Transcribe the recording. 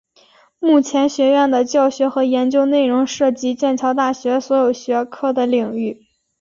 目前学院的教学和研究内容涉及剑桥大学所有学科的领域。